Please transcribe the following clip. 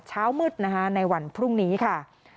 เช้ามืดนะคะในวันพรุ่งนี้ค่ะ